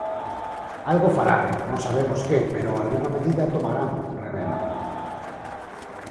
Algo farán, non sabemos que, pero algunha medida tomarán, revelan.